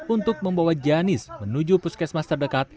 untuk membawa janis menuju puskesmas terdekat